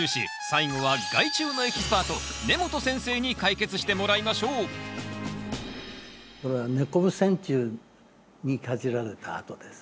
最後は害虫のエキスパート根本先生に解決してもらいましょうこれはネコブセンチュウにかじられた跡です。